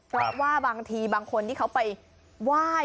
เพราะว่าบางทีบางคนที่เขาไปไหว้